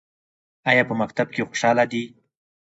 ایا په مکتب کې خوشحاله دي؟